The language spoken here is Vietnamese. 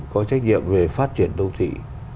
có trách nhiệm về phát triển đô thị